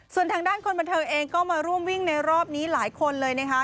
ส่วนทางด้านคนบันเทิงเองก็มาร่วมวิ่งในรอบนี้หลายคนเลยนะคะ